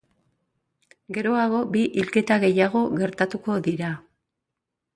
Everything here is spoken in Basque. Geroago, bi hilketa gehiago gertatuko dira.